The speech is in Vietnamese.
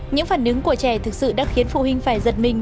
những phản ứng của trẻ thực sự đã khiến phụ huynh phải giật mình